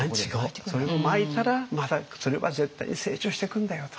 それをまいたらまたそれは絶対に成長してくんだよと。